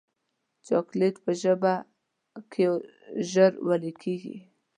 چاکلېټ په ژبه کې ژر ویلې کېږي.